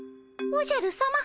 おじゃるさま。